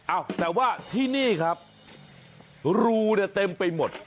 อ้าวแต่ว่าที่นี่ครับรูเนี่ยเต็มไปหมด